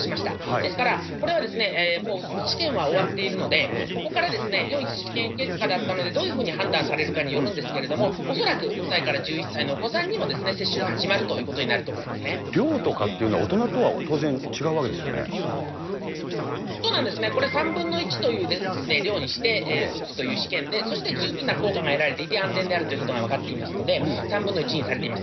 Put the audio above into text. ですからこれは治験は終わっているので、ここから、よい試験結果だったので、どういうふうに判断されるかによるんですけれども、恐らく５歳から１１歳のお子さんにも接種が始まるということにな量とかっていうのは、大人とそうなんですね、これ、３分の１という量にして打つという試験で、そして十分な効果が得られていて、安全であるということが分かっていますので、３分の１にされています。